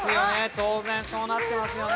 当然そうなってますよね。